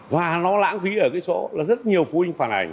và nó lãng phí ở cái chỗ là rất nhiều phụ huynh phản ảnh